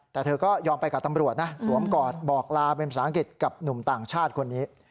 แต่เธอก็ยอมไปกับตำรวจนะสวมกอดบอกลาเป็นภาษาอังกฤษกับหนุ่มต่างชาติคนนี้